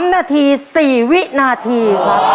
๓นาที๔วินาที